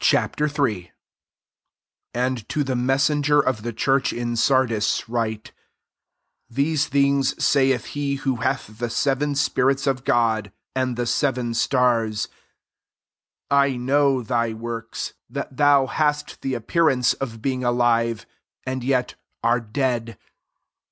III. 1 ^^ And to the mes senger of the church in Sardii write :< These things saith he who hath the seven spirits of God, and the seven stars: I know thy works, that thou hast REVELATION III. S95 the appearance of being alive, and yet are dead.